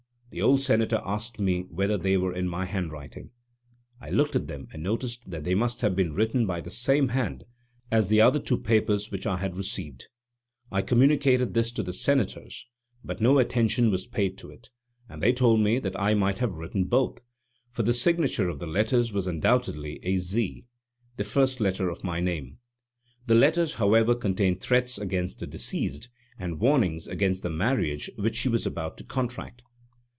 The old Senator asked me whether they were in my handwriting. I looked at them and noticed that they must have been written by the same hand as the other two papers which I had received. I communicated this to the Senators, but no attention was paid to it, and they told me that I might have written both, for the signature of the letters was undoubtedly a Z., the first letter of my name. The letters, however, contained threats against the deceased, and warnings against the marriage which she was about to contract.